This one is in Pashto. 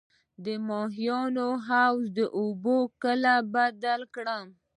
د ماهیانو د حوض اوبه کله بدلې کړم؟